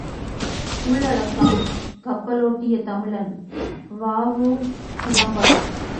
உள்ளடக்கம் கப்பலோட்டிய தமிழன் வ.உ.சிதம்பரம்